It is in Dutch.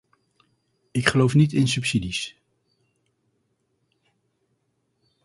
Ik geloof niet in subsidies.